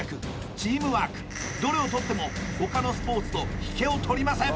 チームワークどれをとっても他のスポーツと引けをとりません